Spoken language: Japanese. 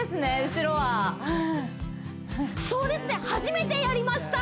後ろはそうですね初めてやりました